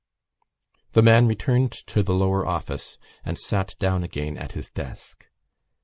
_ The man returned to the lower office and sat down again at his desk.